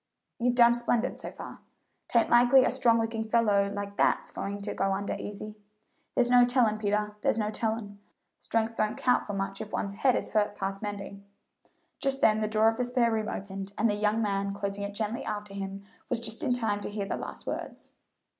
"You've done splendid, so far. 'Tain't likely a strong looking fellow like that's going to go under easy." "There's no tellin', Peter there's no tellin'; strength don't count for much if one's head is hurt past mending." Just then the door of the spare room opened, and the young man, closing it gently after him, was just in time to hear the last words.